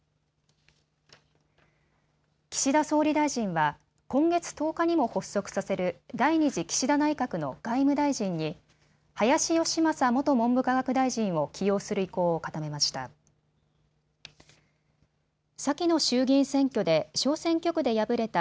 岸田総理大臣は今月１０日にも発足させる第２次岸田内閣の外務大臣に林芳正元文部科学大臣を起用する意向を固めました。